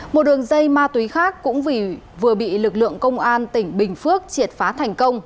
một đường dây ma túy khác cũng vì vừa bị lực lượng công an tỉnh bình phước triệt phá thành công